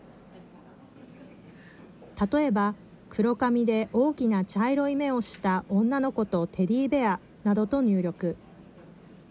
例えば黒髪で大きな茶色い目をした女の子とテディベアなどと入力。